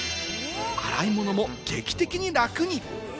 洗い物も劇的に楽に。